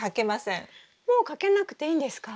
もうかけなくていいんですか？